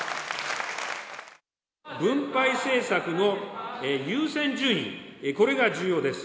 分配政策の優先順位、これが重要です。